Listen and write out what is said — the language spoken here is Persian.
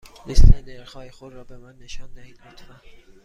لیست نرخ های خود را به من نشان دهید، لطفا.